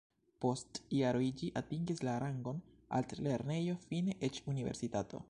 Post jaroj ĝi atingis la rangon altlernejo, fine eĉ universitato.